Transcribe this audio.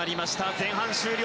前半終了。